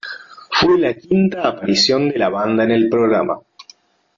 Fue la quinta aparición de la banda en el programa.